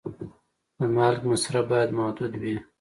د مالګې مصرف باید محدود وي.